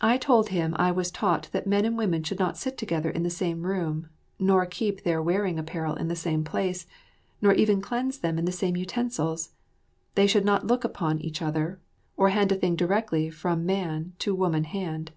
I told him I was taught that men and women should not sit together in the same room, nor keep their wearing apparel in the same place, nor even cleanse them in the same utensils. They should not look upon each other, or hand a thing directly from man to woman hand.